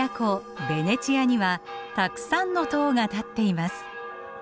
ベネチアにはたくさんの塔が立っています。